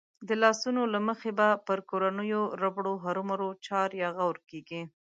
د لاسوندو له مخې به پر کورنيو ربړو هرومرو چار يا غور کېږي.